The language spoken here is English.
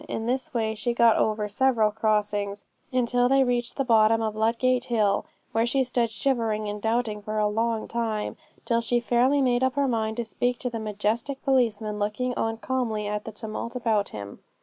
In this way she got over several crossings, until they reached the bottom of Ludgate Hill, where she stood shivering and doubting for a long time, till she fairly made up her mind to speak to the majestic policeman looking on calmly at the tumult about him.